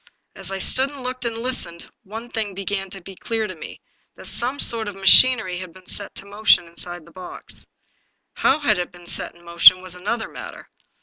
/ As I stood, and looked, ^nd listened, one thing began 247 English Mystery Stories to be clear to me, that some sort of machinery had been set in motion inside the box. How it had been set in motion was another matter.